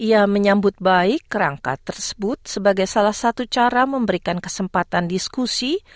ia menyambut baik kerangka tersebut sebagai salah satu cara memberikan kesempatan diskusi